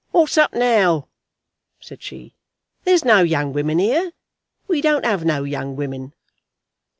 "What's up now?" said she. "There's no young women here. We don't have no young women."